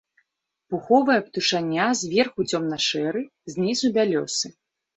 Пуховая птушаня зверху цёмна-шэры, знізу бялёсы.